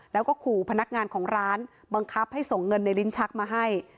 แล้วก็ขู่พนักงานของร้านบังคับให้ส่งเงินในลิ้นชักมาให้